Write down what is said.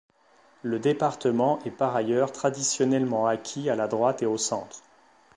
Le département est par ailleurs traditionnellement acquis à la droite et au centre.